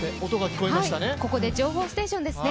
ここで情報ステーションですね。